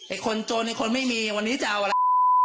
คนจนไอ้คนไม่มีวันนี้จะเอาอะไร